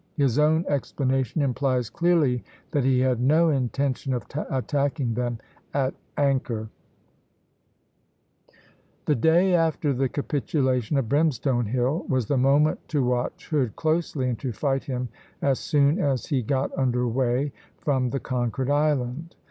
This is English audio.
His own explanation implies clearly that he had no intention of attacking them at anchor: "The day after the capitulation of Brimstone Hill was the moment to watch Hood closely, and to fight him as soon as he got under way from the conquered island.